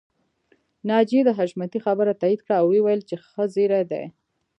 ناجيې د حشمتي خبره تاييد کړه او وويل چې ښه زيری دی